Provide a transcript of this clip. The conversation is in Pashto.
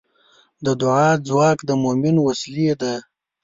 د دعا ځواک د مؤمن وسلې ده.